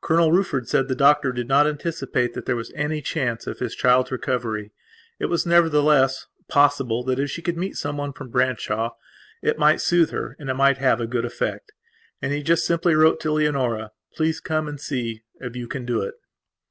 Colonel Rufford said the doctor did not anticipate that there was any chance of his child's recovery. It was, nevertheless, possible that if she could see someone from Branshaw it might soothe her and it might have a good effect. And he just simply wrote to Leonora: "Please come and see if you can do it."